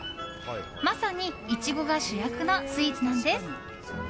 まさにイチゴが主役のスイーツなんです。